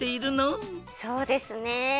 そうですね。